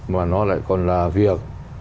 mà nó lại còn là việc